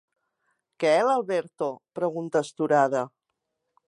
Que l'Alberto? –pregunta astorada–.